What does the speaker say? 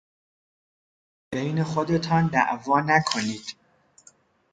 بین خودتان دعوا نکنید!